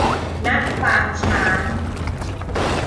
ณ ปางช้าง